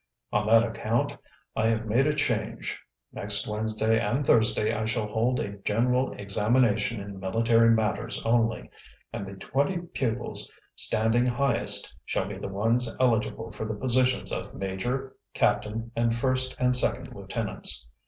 On that account I have made a change. Next Wednesday and Thursday I shall hold a general examination in military matters only, and the twenty pupils standing highest shall be the ones eligible for the positions of major, captain, and first and second lieutenants.